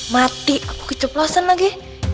mati aku keceplosan lagi